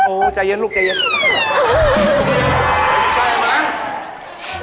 ลูกหายเหรออืมใช่ค่ะนัก